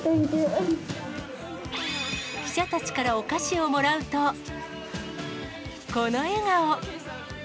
記者たちからお菓子をもらうと、この笑顔。